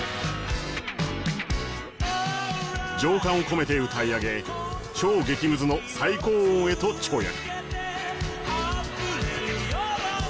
情感を込めて歌い上げ超激ムズの最高音へと跳躍。